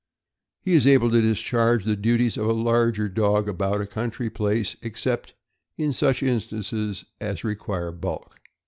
He is able to discharge the duties of a larger dog about a country place, except in such instances as require bulk.